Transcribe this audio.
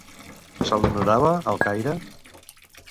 Se l'honorava al Caire?